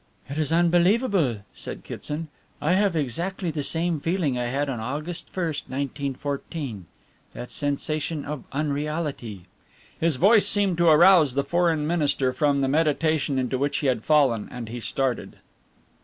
"It is unbelievable," said Kitson. "I have exactly the same feeling I had on August 1, 1914 that sensation of unreality." His voice seemed to arouse the Foreign Minister from the meditation into which he had fallen, and he started.